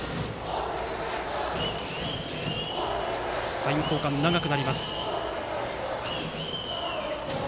サイン交換が長くなります。